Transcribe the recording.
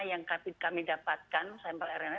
yang kami dapatkan sampel rna